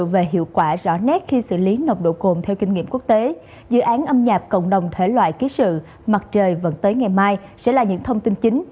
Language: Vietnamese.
vẫn tới ngày mai sẽ là những thông tin chính